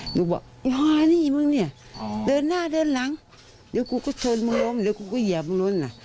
หนูบอกอีฮานี่มึงเนี่ยเดินหน้าเดินหลังเดี๋ยวกูก็ชนมึงล้มเดี๋ยวกูก็เหยียบมึงนู้นน่ะ